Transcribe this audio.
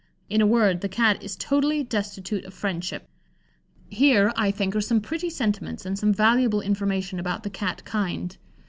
In a word, the Cat is totally destitute of friendship." Here, I think, are some pretty sentiments and some valuable information about the Cat kind.